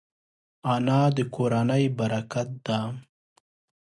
انا د کورنۍ برکت ده